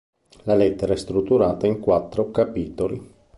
La lettera è strutturata in quattro capitoli.